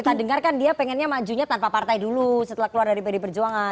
kita dengarkan dia pengennya majunya tanpa partai dulu setelah keluar dari pdi perjuangan